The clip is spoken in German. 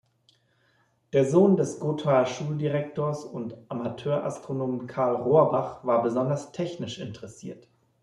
Der Sohn des Gothaer Schuldirektors und Amateurastronomen Carl Rohrbach war besonders technisch interessiert.